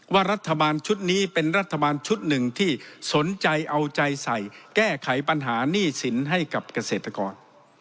ว่ารัฐบาลชุดนี้เป็นรัฐบาลชุดหนึ่งที่สนใจเอาใจใส่แก้ไขปัญหาหนี้สินให้กับเกษตรกร